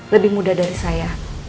lebih muda dari saya